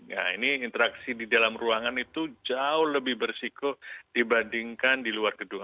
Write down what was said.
ya ini interaksi di dalam ruangan itu jauh lebih bersiku dibandingkan di luar gedung